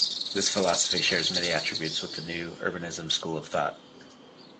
This philosophy shares many attributes with the new urbanism school of thought.